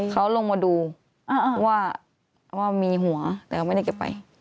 เขาลงมาดูว่ามีหัวแต่เขาไม่ได้เก็บไป